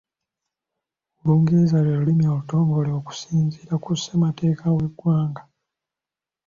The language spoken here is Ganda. Olungereza lwe lulimi olutongole okusinziira ku ssemateeka w'eggwanga.